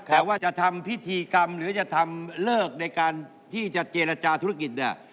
แต่ว่าจะทำพิธีกรรมหรือจะทำเลิกในการที่จะเจรจาธุรกิจเนี่ย